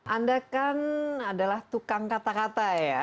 anda kan adalah tukang kata kata ya